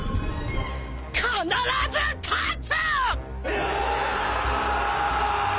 必ず勝つ！！